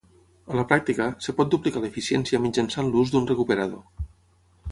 A la pràctica, es pot duplicar l'eficiència mitjançant l'ús d'un recuperador.